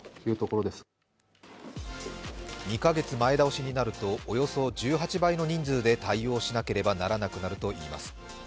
２カ月前倒しになるとおよそ１８倍の人数で対応しなければならなくなるといいます。